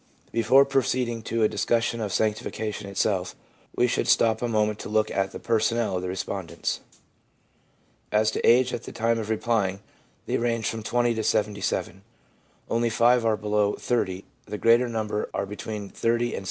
Before proceeding to a discussion of sanctification itself, we should stop a moment to look at the personnel of the respondents. As to age at the time of replying, they range from 20 to JJ ; only 5 are below 30,* the greater number are between 30 and 60.